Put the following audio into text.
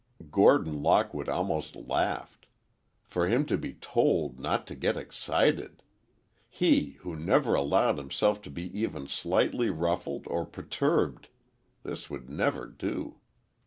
Gordon Lockwood almost laughed. For him to be told not to get excited! He, who never allowed himself to be even slightly ruffled or perturbed! This would never do!